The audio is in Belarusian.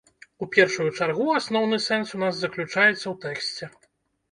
У першую чаргу асноўны сэнс у нас заключаецца ў тэксце.